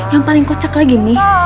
tuh yang paling kocak lagi tuh ini nih